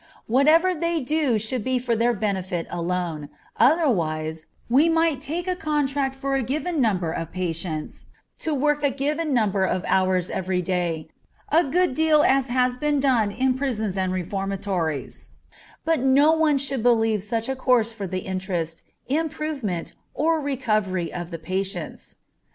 Whatever they do should be for their benefit alone, otherwise we might take a contract for a given number of patients to work a given number of hours every day, a good deal as has been done in prisons and reformatories, but no one would believe such a course for the interest, improvement, or recovery of the patients.